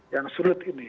yang sulit ini